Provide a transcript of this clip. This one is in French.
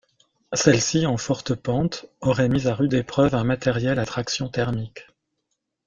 Celle-ci, en forte pente, aurait mis à rude épreuve un matériel à traction thermique.